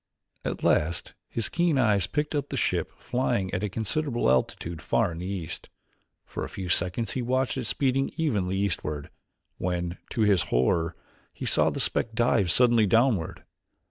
At last his keen eyes picked up the ship flying at a considerable altitude far in the east. For a few seconds he watched it speeding evenly eastward, when, to his horror, he saw the speck dive suddenly downward.